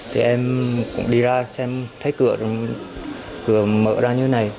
thì em cũng đi ra xem thấy cửa mở ra như này